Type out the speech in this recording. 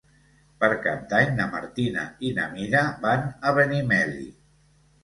Per Cap d'Any na Martina i na Mira van a Benimeli.